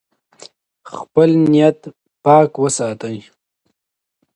خپل نیت پاک وساتئ.